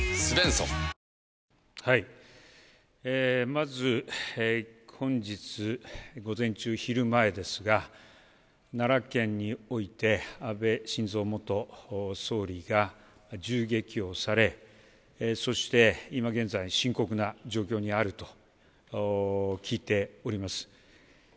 まず、本日午前中、昼前ですが、奈良県において、安倍晋三元総理が銃撃をされ、そして今現在、深刻な状況にあると聞いております。